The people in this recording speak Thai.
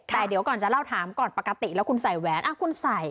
แต่เดี๋ยวก่อนจะเล่าถามก่อนปกติแล้วคุณใส่แหวนคุณใส่